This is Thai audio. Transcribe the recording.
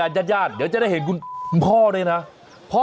ขอบคุณครับขอบคุณครับ